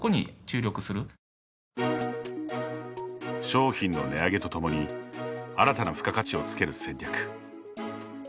商品の値上げとともに新たな付加価値を付ける戦略。